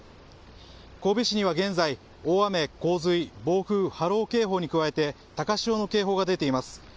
神戸市には現在、大雨・洪水暴風・波浪警報に加えて高潮の警報が出ています。